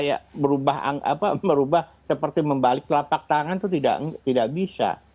seperti berubah seperti membalik kelapak tangan itu tidak bisa